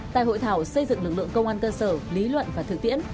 tại hội thảo xây dựng lực lượng công an cơ sở lý luận và thực tiễn